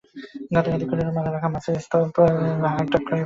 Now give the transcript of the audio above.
গাদাগাদি করে রাখা মাছের স্তুপ হাঁকডাক হয়ে বিক্রি হয়।